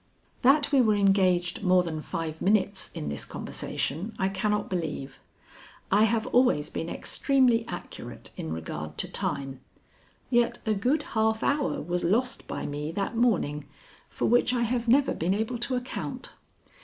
That we were engaged more than five minutes in this conversation I cannot believe. I have always been extremely accurate in regard to time, yet a good half hour was lost by me that morning for which I have never been able to account.